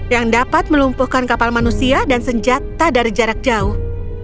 dan dapat melumpuhkan kapal manusia dan senjata dari jarak jauh